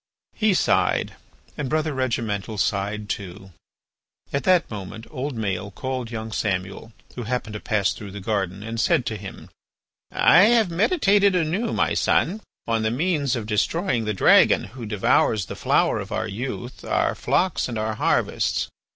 He sighed and brother Regimental sighed too. At that moment old Maël called young Samuel, who happened to pass through the garden, and said to him: "I have meditated anew, my son, on the means of destroying the dragon who devours the flower of our youth, our flocks, and our harvests.